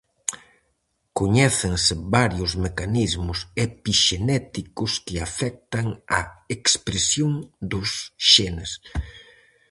Coñécense varios mecanismos epixenéticos que afectan a expresión dos xenes.